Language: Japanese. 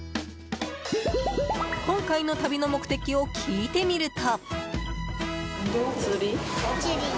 今回の旅の目的を聞いてみると。